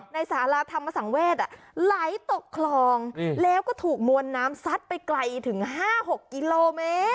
สาราธรรมสังเวศไหลตกคลองแล้วก็ถูกมวลน้ำซัดไปไกลถึง๕๖กิโลเมตร